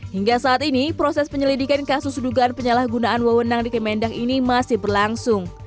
hingga saat ini proses penyelidikan kasus dugaan penyalahgunaan wewenang di kemendak ini masih berlangsung